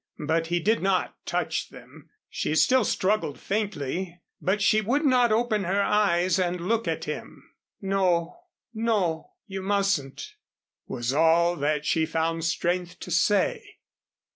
But he did not touch them. She still struggled faintly, but she would not open her eyes and look at him. "No, no, you mustn't," was all that she found strength to say.